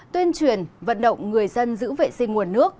tuyên truyền vận động người dân giữ vệ sinh nguồn nước